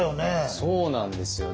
そうなんですよね。